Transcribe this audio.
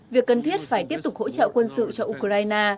việc cần thiết phải tiếp tục hỗ trợ quân sự cho ukraine